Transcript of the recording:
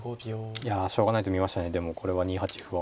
いやしょうがないと見ましたねでもこれは２八歩を。